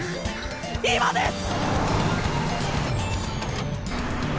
今です！